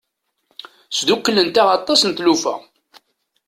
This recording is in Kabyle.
Sdukklent-aɣ aṭas n tlufa.